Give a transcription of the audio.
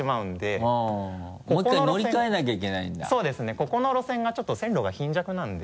ここの路線がちょっと線路が貧弱なんで。